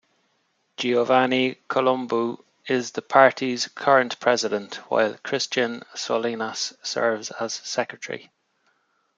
Giovanni Columbu is the party's current president, while Christian Solinas serves as secretary.